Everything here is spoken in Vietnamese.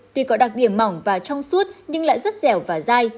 tuy có đặc điểm mỏng và trong suốt nhưng lại rất dẻo và dai